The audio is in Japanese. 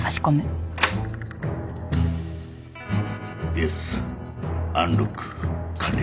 イエスアンロック完了。